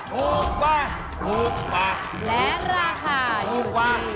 ถูกกว่าและราคามิ้วขี้